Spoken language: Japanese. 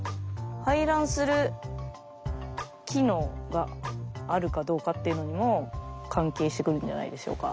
排卵する機能があるかどうかっていうのにも関係してくるんじゃないでしょうか。